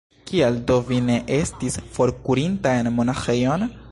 Kial do vi ne estis forkurinta en monaĥejon?